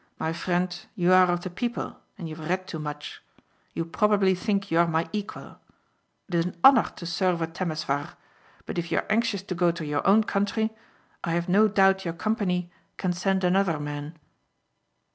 "My friend you are of the people and you have read too much. You probably think you are my equal. It is an honor to serve a Temesvar but if you are anxious to go to your own country I have no doubt your company can send another man."